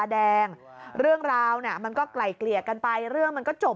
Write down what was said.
แดงเรื่องราวน่ะมันก็ไกลเกลี่ยกันไปเรื่องมันก็จบ